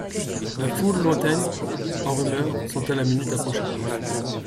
La foule lointaine, en rumeur, sentait la minute approcher.